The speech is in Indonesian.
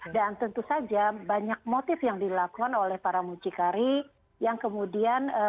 dan tentu saja banyak motif yang dilakukan oleh para mujikari yang kemudian